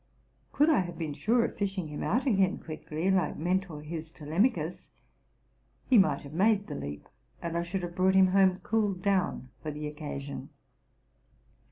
Could I have been sure of fishing him out again quickly, like Mentor his Telemachus, he might have made the leap; and I should have brought him home cooled down for this occasion.